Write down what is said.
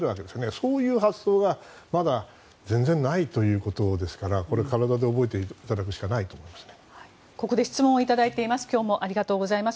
そういう発想がまだ全然ないということですから体で覚えていただくしかないと思います。